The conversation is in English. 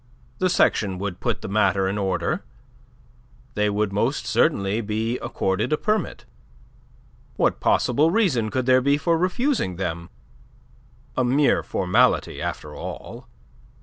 The section would put the matter in order. They would most certainly be accorded a permit. What possible reason could there be for refusing them? A mere formality, after all!